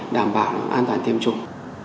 đảm bảo an toàn tiêm chủng